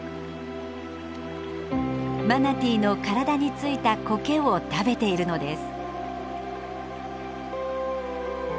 マナティーの体に付いたこけを食べているのです。